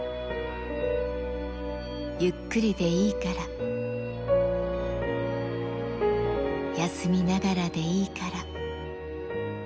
ゆっくりでいいから、休みながらでいいから。